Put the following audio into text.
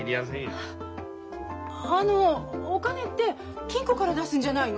あのお金って金庫から出すんじゃないの？